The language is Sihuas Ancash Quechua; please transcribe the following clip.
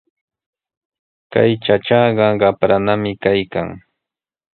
Kay chachaqa qapranami kaykan.